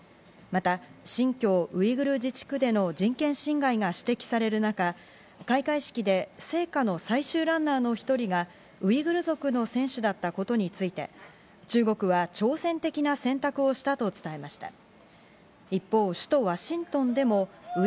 また、新疆ウイグル自治区での人権侵害が指摘される中、開会式で聖火の最終ランナーの１人がウイグル族の選手だったことについて、中国は挑発的な選択をしたと伝えました。